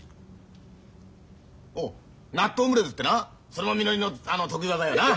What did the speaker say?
おうナットオムレツってなそれもみのりの得意技よな。